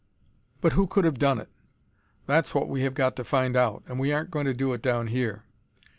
"But who could have done it?" "That's what we have got to find out, and we aren't going to do it down here.